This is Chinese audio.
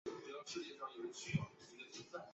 该站是京广铁路进入郴州市后的第一个车站。